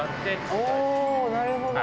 おなるほど。